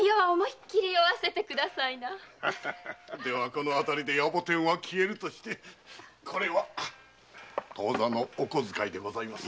このあたりで野暮天は消えるとしてこれは当座のお小遣いでございます。